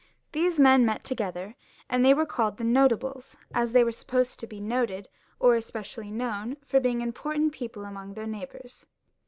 These men met together, and were called the Notables, as they were supposed to be noted or specially known for being impor tant people among their neighbours.